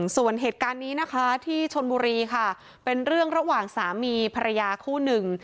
ส่วนเหตุการณ์นี้นะคะที่ชนบุรีค่ะเป็นเรื่องระหว่างสามีภรรยาคู่หนึ่ง